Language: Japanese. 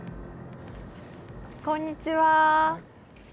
こんにちは。